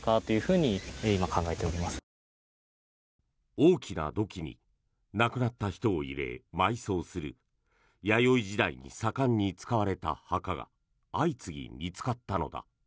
大きな土器に亡くなった人を入れ、埋葬する弥生時代に盛んに使われた墓が相次ぎ見つかったのだ。